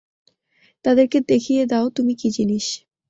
তাদের দেখিয়ে তাও তুমি কি জিনিস।